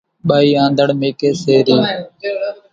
ٻائِي آنڌڻ ميڪيَ سي رئِي۔